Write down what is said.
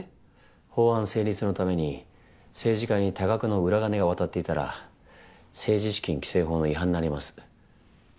法案成立のために政治家に多額の裏金が渡っていたら政治資金規正法の違反になります。